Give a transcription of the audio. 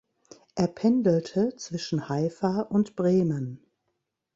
Er pendelte zwischen Haifa und Bremen.